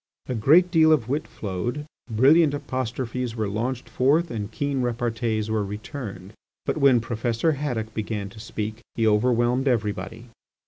A great deal of wit flowed; brilliant apostrophes were launched forth and keen repartees were returned. But when Professor Haddock began to speak he overwhelmed everybody.